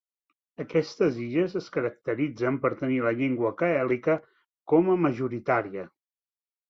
Aquestes illes es caracteritzen per tenir la llengua gaèlica com a majoritària.